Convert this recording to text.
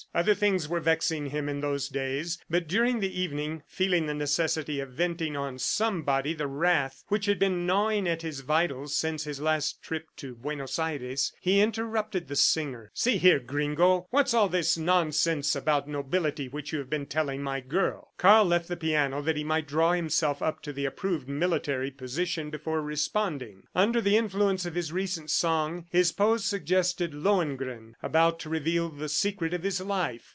Other things were vexing him in those days. But during the evening, feeling the necessity of venting on somebody the wrath which had been gnawing at his vitals since his last trip to Buenos Aires, he interrupted the singer. "See here, gringo, what is all this nonsense about nobility which you have been telling my girl?" Karl left the piano that he might draw himself up to the approved military position before responding. Under the influence of his recent song, his pose suggested Lohengrin about to reveal the secret of his life.